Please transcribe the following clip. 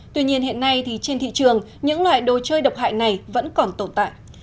tuy nhiên hiện nay thì trên thị trường những loại đồ chơi độc hại này vẫn còn tồn tại